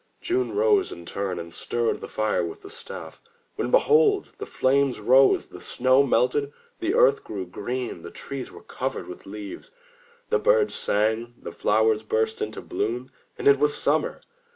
June rose in turn, and stirred the fire with the staff, when behold! the flames rose, the snow melted, the earth grew green, the trees were covered with leaves, the birds sang, the flowers burst into bloom — ^it was Summer.